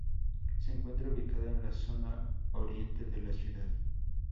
Se encuentra ubicada en la zona oriente de la ciudad.